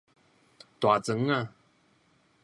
大莊仔